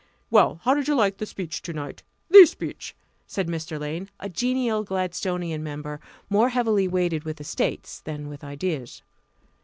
"Well, how did you like the speech to night the speech?" said Mr. Lane, a genial Gladstonian member, more heavily weighted with estates than with ideas.